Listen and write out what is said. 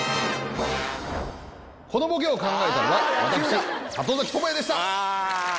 このボケを考えたのは私里崎智也でした。